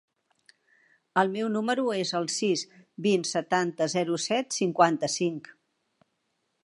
El meu número es el sis, vint, setanta, zero, set, cinquanta-cinc.